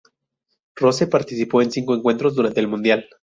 Rose participó en cinco encuentros durante el Mundial.